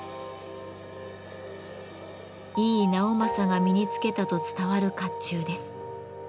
井伊直政が身につけたと伝わる甲冑です。